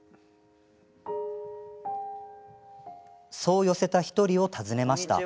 そう寄せた１人を訪ねました。